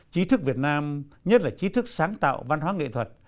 chí thức việt nam nhất là trí thức sáng tạo văn hóa nghệ thuật